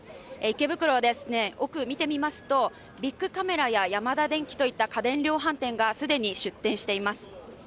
池袋ですね、奥を見てみますとビックカメラやヤマダデンキといった家電量販店が既に出店しています。